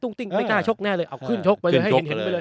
ตุ๊งติ้งไม่ลานั่งชกแน่เลยคุ้นชกไปเลยให้เห็นเลย